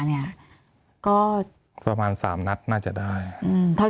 มีความรู้สึกว่ามีความรู้สึกว่ามีความรู้สึกว่า